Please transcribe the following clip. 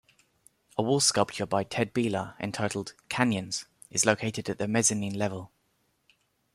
A wall sculpture by Ted Bieler entitled "Canyons" is located at the mezzanine level.